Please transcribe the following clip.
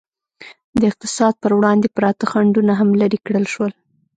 د اقتصاد پر وړاندې پراته خنډونه هم لرې کړل شول.